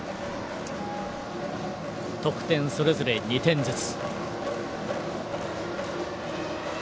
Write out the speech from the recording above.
得点それぞれ２点ずつ。